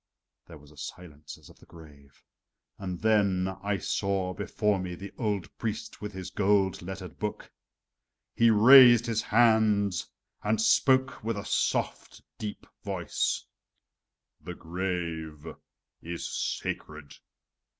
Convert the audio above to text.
There was a silence as of the grave and then I saw before me the old priest with his gold lettered book. He raised his hand and spoke with a soft, deep voice: "The grave is sacred!